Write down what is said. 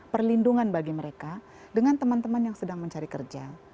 perlindungan bagi mereka dengan teman teman yang sedang mencari kerja